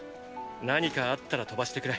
何かあったら飛ばしてくれ。